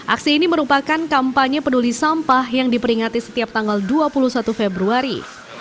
aksi ini merupakan kampanye peduli sampah yang diperingati setiap tanggal dua puluh satu februari